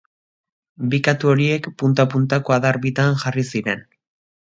Bi katu horiek punta-puntako adar bitan jarri ziren